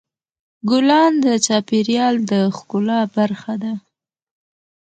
ګلان د چاپېریال د ښکلا برخه ده.